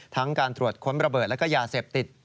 การตรวจค้นระเบิดและก็ยาเสพติด